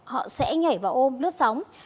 họ sẽ nhảy vào ôm lướt sóng